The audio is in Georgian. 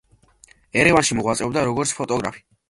ერევანში მოღვაწეობდა როგორც ფოტოგრაფი.